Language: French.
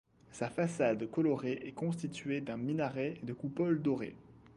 Sa façade colorée est constituée d'un minaret et de coupoles dorées.